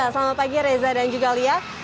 selamat pagi reza dan juga lia